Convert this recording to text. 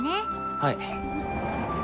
はい。